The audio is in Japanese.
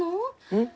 うん？